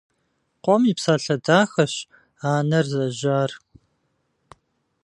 Къуэм и псалъэ дахэщ анэр зэжьэр.